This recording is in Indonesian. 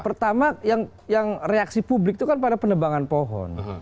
pertama yang reaksi publik itu kan pada penebangan pohon